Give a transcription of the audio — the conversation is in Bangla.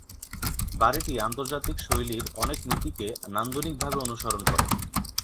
বাড়িটি আন্তর্জাতিক শৈলীর অনেক নীতিকে নান্দনিকভাবে অনুসরণ করে।